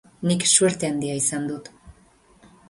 Nik suerte handia izan dut.